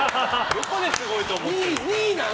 どこですごいと思ってるの？